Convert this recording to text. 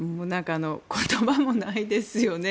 言葉もないですよね。